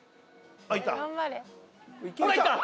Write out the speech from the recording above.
あっいった。